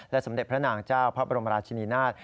สมเด็จพระนางเจ้าพระบรมราชินีนาฏ